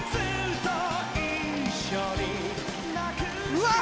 うわ！